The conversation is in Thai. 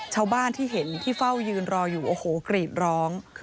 ชาวบ้านที่เห็นที่เฝ้ายืนรออยู่โอ้โหกรีดร้อง